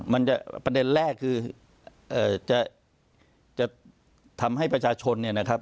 มันจะประเด็นแรกคือเอ่อจะจะทำให้ประชาชนเนี่ยนะครับ